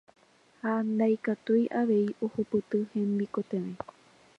ha ndaikatúi avei ohupyty hemikotevẽ.